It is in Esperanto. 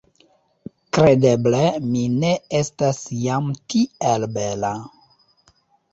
Kredeble mi ne estas jam tiel bela!